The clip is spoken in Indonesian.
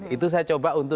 itu saya coba untuk